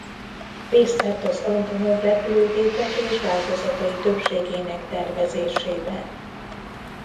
Részt vett az Antonov-repülőgépek és változatai többségének tervezésében.